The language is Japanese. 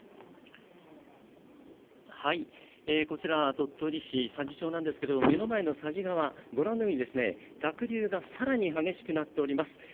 鳥取市佐治町なんですけども目の前の佐治川、ご覧のように濁流が更に激しくなっております